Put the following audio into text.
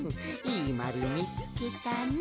いいまるみつけたの！